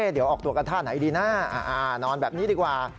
เดี๋ยวออกตัวกันท่าไหนดีนะนอนแบบนี้ดีกว่า